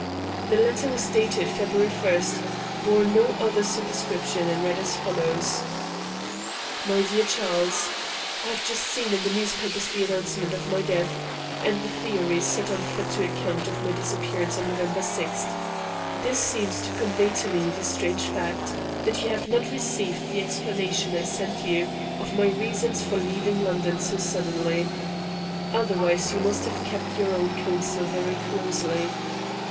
The letter was dated February 1, bore no other superscription, and read as follows: "My Dear Charles, I have just seen in the newspapers the announcement of my death, and the theories set on foot to account for my disappearance on November 6. This seems to convey to me the strange fact that you have not received the explanation I sent you of my reasons for leaving London so suddenly. Otherwise you must have kept your own counsel very closely.